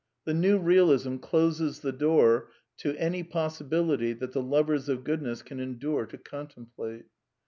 The New Realism closes the door to any possibility that the lovers of Goodness can endure to contemplate.